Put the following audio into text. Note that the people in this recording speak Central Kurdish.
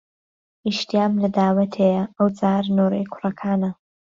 ئیشتیام لە داوەتێ یە ئەو جار نۆرەی کوڕەکانە